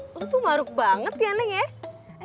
itu tuh maruk banget ya neng ya